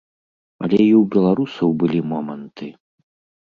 Але і ў беларусаў былі моманты.